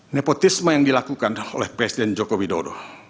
nepotisme yang dilakukan oleh presiden joko widodo